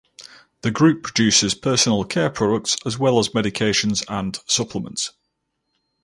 The group produces personal care products as well as medications and supplements.